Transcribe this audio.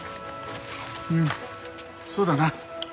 うんそうだな。